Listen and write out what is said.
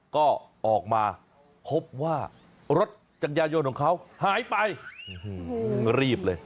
ก็ออกมาพบว่ารถจักรยายนของเขาหายไปรีบเลย